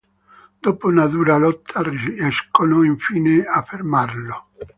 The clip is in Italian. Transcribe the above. Dopo una dura lotta riescono infine a fermarlo.